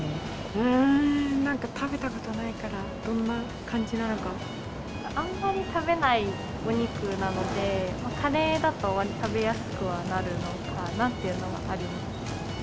うーん、なんか食べたことないから、あんまり食べないお肉なので、カレーだと、わりと食べやすくはなるのかなっていうのはあります。